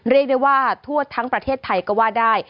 เรียกได้ว่าทั่วทั้งประเทศไทยก็ว่าได้